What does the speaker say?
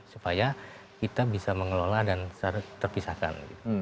supaya kita bisa mengelola dan secara terpisahkan